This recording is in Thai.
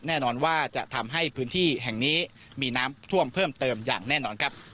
แน่นอนว่าจะทำให้พื้นที่แห่งนี้มีน้ำท่วมเพิ่มเติมอย่างแน่นอนครับ